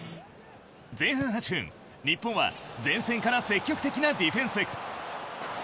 前半８分、日本は前線から積極的なディフェンス。